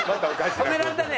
止められたね。